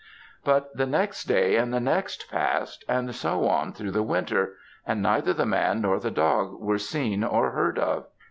But the next day, and the next passed, and so on through the winter, and neither the man nor the dog were seen or heard of.